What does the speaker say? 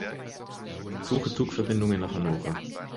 Suche Zugverbindungen nach Hannover.